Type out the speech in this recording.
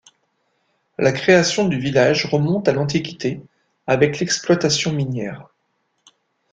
La création du village remonte à l'antiquité avec l'exploitation minière.